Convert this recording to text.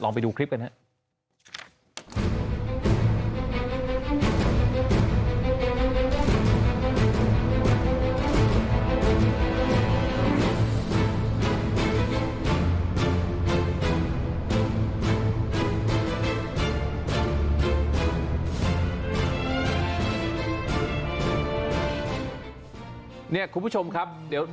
ไปดูคลิปกันครับ